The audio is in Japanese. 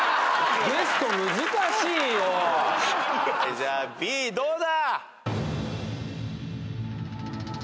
じゃあＢどうだ？